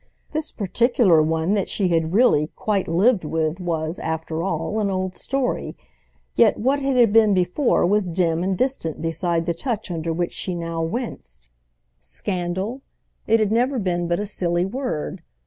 This particular one that she had really quite lived with was, after all, an old story; yet what it had been before was dim and distant beside the touch under which she now winced. Scandal?—it had never been but a silly word.